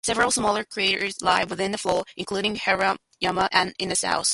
Several smaller craters lie within the floor, including Hirayama N in the south.